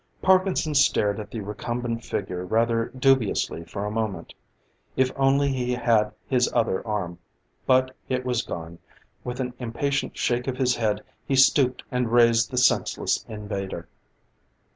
Parkinson stared at the recumbent figure rather dubiously for a moment. If only he had his other arm! But it was gone; with an impatient shake of his head he stooped and raised the senseless invader.